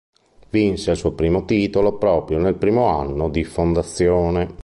Vinse il suo primo titolo proprio nel primo anno di fondazione.